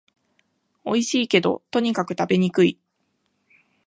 おいしいけど、とにかく食べにくい